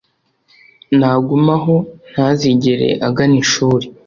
nagume aho ntazigere agana ishuri.